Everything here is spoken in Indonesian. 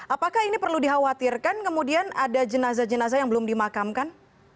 apakah ini perlu dikhawatirkan kemudian ada jenazah jenazah yang belum dimakamkan